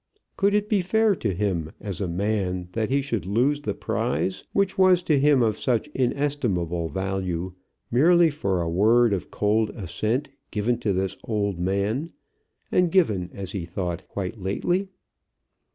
Could it be fair to him as a man that he should lose the prize which was to him of such inestimable value, merely for a word of cold assent given to this old man, and given, as he thought, quite lately?